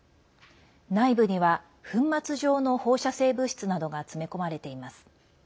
内部には粉末状の放射性物質などが詰め込まれています。